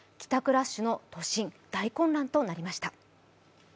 ラッシュの都心、大混乱となりました。